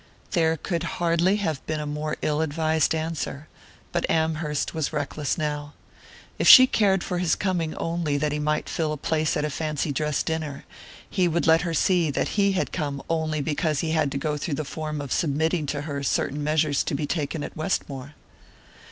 There could hardly have been a more ill advised answer, but Amherst was reckless now. If she cared for his coming only that he might fill a place at a fancy dress dinner, he would let her see that he had come only because he had to go through the form of submitting to her certain measures to be taken at Westmore.